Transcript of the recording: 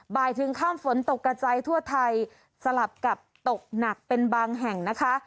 ถึงข้ามฝนตกกระจายทั่วไทยสลับกับตกหนักเป็นบางแห่งนะคะ